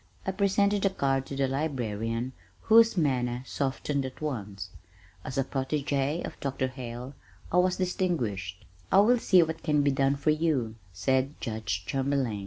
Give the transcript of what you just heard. I presented the card to the librarian whose manner softened at once. As a protégé of Dr. Hale I was distinguished. "I will see what can be done for you," said Judge Chamberlain.